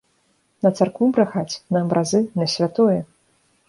На царкву брахаць, на абразы, на святое.